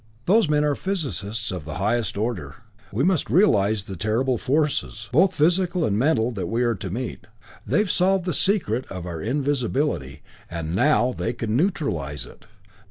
Those men are physicists of the highest order. We must realize the terrible forces, both physical and mental that we are to meet. They've solved the secret of our invisibility, and now they can neutralize it.